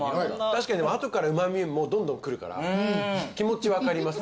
確かに後からうま味もどんどんくるから気持ち分かります。